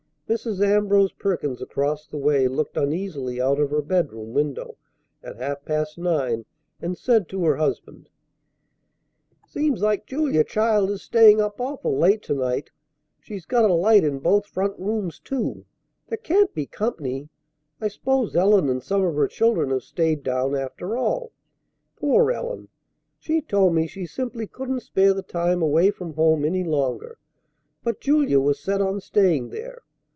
Mrs. Ambrose Perkins across the way looked uneasily out of her bedroom window at half past nine, and said to her husband: "Seems like Julia Cloud is staying up awful late to night. She's got a light in both front rooms, too. There can't be company. I s'pose Ellen and some of her children have stayed down after all. Poor Ellen! She told me she simply couldn't spare the time away from home any longer, but Julia was set on staying there.